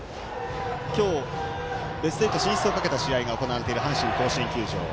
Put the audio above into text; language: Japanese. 今日ベスト８進出をかけた試合が行われている阪神甲子園球場。